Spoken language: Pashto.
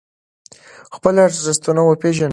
خپل ارزښتونه وپیژنو.